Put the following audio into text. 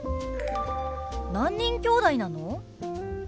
何人きょうだいなの？